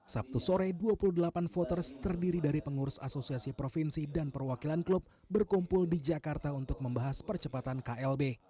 sabtu sore dua puluh delapan voters terdiri dari pengurus asosiasi provinsi dan perwakilan klub berkumpul di jakarta untuk membahas percepatan klb